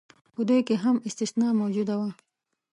په دوی کې هم استثنا موجوده وه.